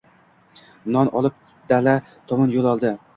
Non olib, dala tomon yoʻl oldi.